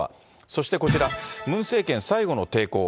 そしてこちら、ムン政権最後の抵抗。